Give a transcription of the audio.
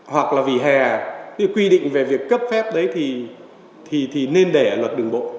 hoặc là vì hè cái quy định về việc cấp phép đấy thì nên để luật đường bộ